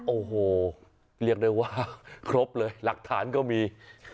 โอ้โหเรียกได้ว่าครบเลยหลักฐานก็มี